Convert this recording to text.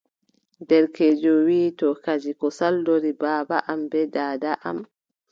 Derkeejo wiʼi: to kadi, ko saldori baaba am bee daada am,